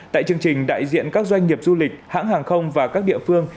tại chương trình đại diện các doanh nghiệp du lịch hãng hàng không và các địa phương